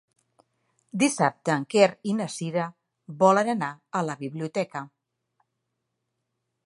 Dissabte en Quer i na Cira volen anar a la biblioteca.